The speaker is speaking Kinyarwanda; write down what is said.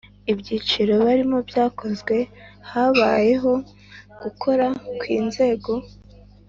ibyiciro barimo byakozwe habayeho gukoraa kw’inzego